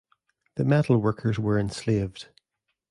The metal workers were enslaved.